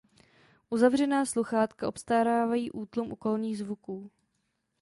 Uzavřená sluchátka obstarávají útlum okolních zvuků.